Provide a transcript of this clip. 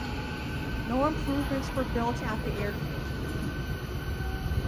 No improvements were built at the airfield.